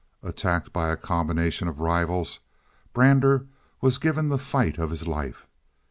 Attacked by a combination of rivals, Brander was given the fight of his life.